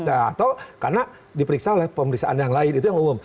atau karena diperiksa oleh pemeriksaan yang lain itu yang umum